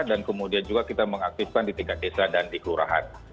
dan kemudian juga kita mengaktifkan di tingkat desa dan di kelurahan